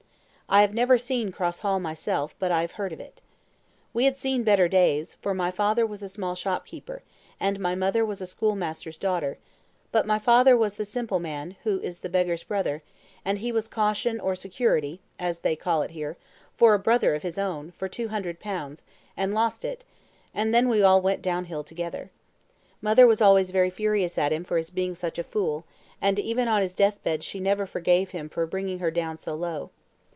I have never seen Cross Hall myself, but I have heard of it. We had seen better days, for my father was a small shopkeeper, and my mother was a schoolmaster's daughter; but my father was the simple man, who is the beggar's brother, and he was caution or security (as they call it here) for a brother of his own, for two hundred pounds, and lost it, and then we went all down hill together. Mother was always very furious at him for his being such a fool, and even on his death bed she never forgave him for bringing her down so low.